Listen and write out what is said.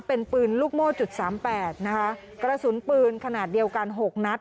เป็นปืนลูกโม่จุดสามแปดนะคะกระสุนปืนขนาดเดียวกันหกนัด